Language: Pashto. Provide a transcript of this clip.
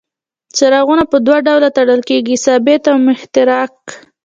څرخونه په دوه ډوله تړل کیږي ثابت او متحرک.